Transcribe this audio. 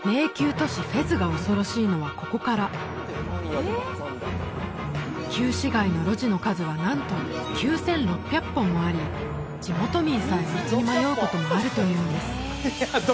都市フェズが恐ろしいのはここから旧市街の路地の数はなんと９６００本もあり地元民さえ道に迷うこともあるというんです